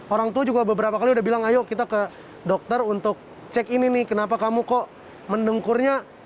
orang tua juga beberapa kali udah bilang ayo kita ke dokter untuk cek ini nih kenapa kamu kok mendengkurnya